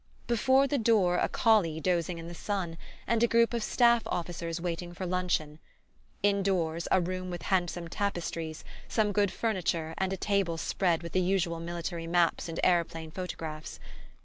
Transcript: Before the door a collie dozing in the sun, and a group of staff officers waiting for luncheon. Indoors, a room with handsome tapestries, some good furniture and a table spread with the usual military maps and aeroplane photographs.